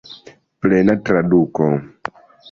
Plena traduko.